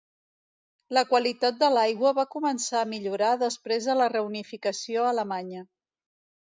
La qualitat de l'aigua va començar a millorar després de la reunificació alemanya.